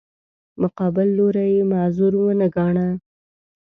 مقابل لوری یې معذور ونه ګاڼه.